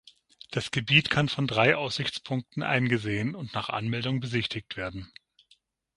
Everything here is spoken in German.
Das Gebiet kann von drei Aussichtspunkten eingesehen und nach Anmeldung besichtigt werden.